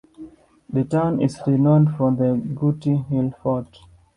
The town is renowned for the Gooty hill fort.